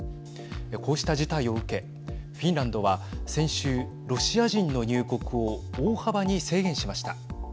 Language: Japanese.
こうした事態を受けフィンランドは先週、ロシア人の入国を大幅に制限しました。